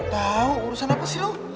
tahu urusan apa sih lo